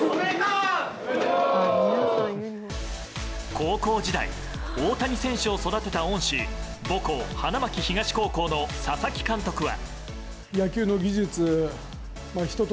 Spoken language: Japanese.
高校時代大谷選手を育てた恩師母校、花巻東高校の佐々木監督は。